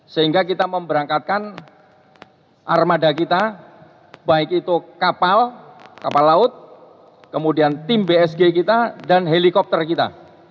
sehingga kita memberangkatkan armada kita baik itu kapal kapal laut kemudian tim bsg kita dan helikopter kita